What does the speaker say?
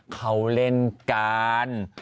เขาเล่นกัน